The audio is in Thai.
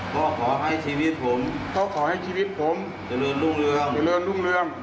ก็ขอให้ชีวิตผมจะเรื่องรุ่งเรือง